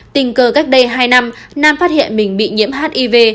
tình cờ cách đây hai năm nam phát hiện mình bị nhiễm hiv